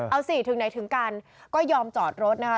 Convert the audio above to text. เอาสิถึงไหนถึงกันก็ยอมจอดรถนะคะ